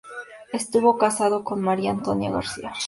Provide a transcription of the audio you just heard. Estuvo casado con María Antonia García.